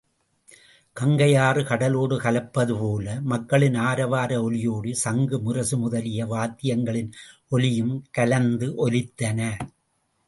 கங்கையாறு கடலோடு கலப்பதுபோல மக்களின் ஆரவார ஒலியோடு சங்கு, முரசு முதலிய வாத்தியங்களின் ஒலியும் கலந்து ஒலித்தன.